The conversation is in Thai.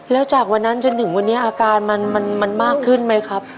แล้วจากวันนั้นจนถึงวันนี้อาการมันมากขึ้นไหมครับ